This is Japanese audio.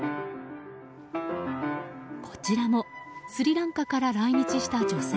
こちらもスリランカから来日した女性。